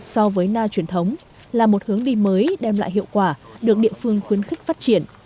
so với na truyền thống là một hướng đi mới đem lại hiệu quả được địa phương khuyến khích phát triển